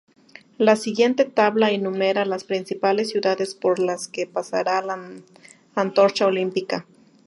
La siguiente tabla enumera las principales ciudades por las que pasará la antorcha olímpica.